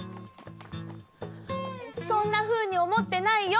そんなふうにおもってないよ。